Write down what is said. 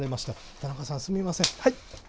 田中さん、すみません。